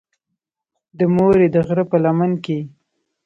د مورې د غرۀ پۀ لمن کښې